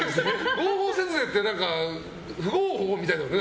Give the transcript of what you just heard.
合法節税って不合法？みたいな。